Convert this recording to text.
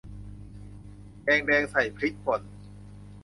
แกงแดงใส่พริกป่น